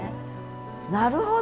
なるほど。